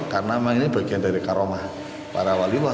karena ini bagian dari karomah para waliwa